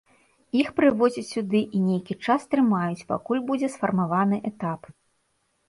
Іх прывозяць сюды і нейкі час трымаюць, пакуль будзе сфармаваны этап.